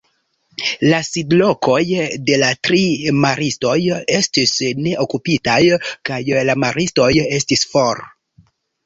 La sidlokoj de la tri maristoj estis neokupitaj kaj la maristoj estis for.